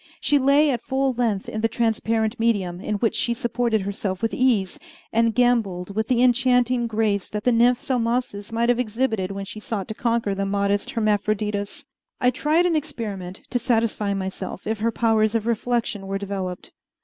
She lay at full length in the transparent medium, in which she supported herself with ease, and gamboled with the enchanting grace that the nymph Salmacis might have exhibited when she sought to conquer the modest Hermaphroditus. I tried an experiment to satisfy myself if her powers of reflection were developed.